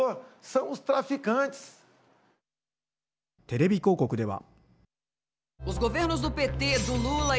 テレビ広告では。